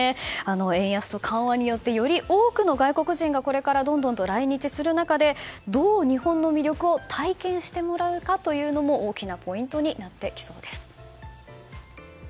円安と緩和によってより多くの外国人がこれからどんどん来日する中でどう日本の魅力を体験してもらうかも大きなポイントになってきそうです。